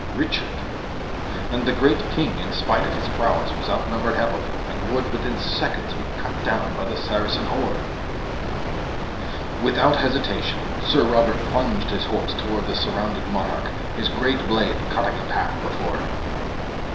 Richard! And the great king, in spite of his prowess was outnumbered heavily and would, within seconds, be cut down by the Saracen horde! Without hesitation, Sir Robert plunged his horse toward the surrounded monarch, his great blade cutting a path before him.